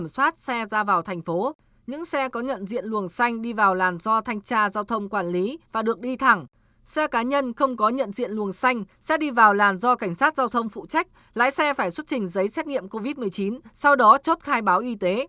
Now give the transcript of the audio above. xuất trình giấy xét nghiệm covid một mươi chín sau đó chốt khai báo y tế